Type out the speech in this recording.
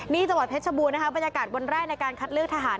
นี่จังหวัดเพชรบูรณนะคะบรรยากาศวันแรกในการคัดเลือกทหาร